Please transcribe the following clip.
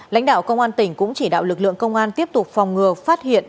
lãnh đạo công an tỉnh cũng chỉ đạo lực lượng công an tiếp tục phòng ngừa phát hiện